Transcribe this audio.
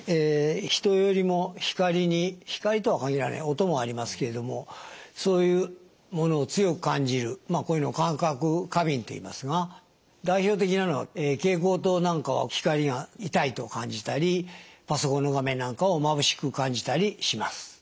人よりも光に光とは限らない音もありますけれどもそういうものを強く感じるこういうのを感覚過敏といいますが代表的なのが蛍光灯なんかは光が痛いと感じたりパソコンの画面なんかをまぶしく感じたりします。